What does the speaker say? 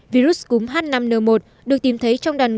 virus cúng h năm n một được tìm thấy trong đàn áo